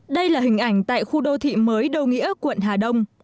đây là hình ảnh tại khu đô thị mới đô nghĩa quận hà đông